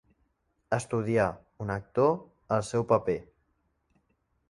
Estudiar, un actor, el seu paper.